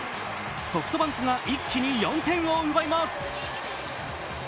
ソフトバンクが一気に４点を奪います。